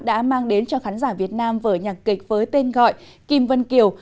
đã mang đến cho khán giả việt nam vở nhạc kịch với tên gọi kim vân kiều